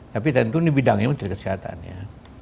tapi tentu ini bidangnya menteri kesehatan ya